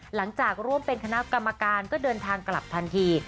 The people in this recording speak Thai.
หลังจากร่วมเป็นคณะกรรมการก็เดินทางกลับทันที